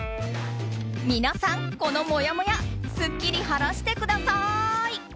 皆さん、このもやもやすっきり晴らしてください！